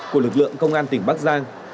của lực lượng công an tỉnh bắc giang